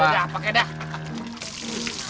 aduh pak kata dah